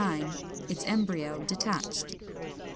Its embryo detached.